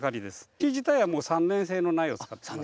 木自体は３年生の苗を使ってます。